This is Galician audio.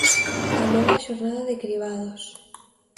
E nova xornada de cribados.